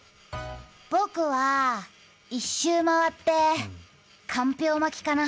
僕は一周回ってかんぴょう巻きかな。